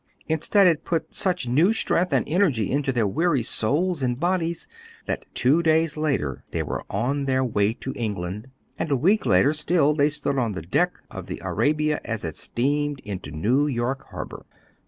Instead it put such new strength and energy into their weary souls and bodies that two days later they were on their way to England, and a week later still they stood on the deck of the Arabia as it steamed into New York Harbor.